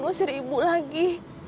terusir ibu lagi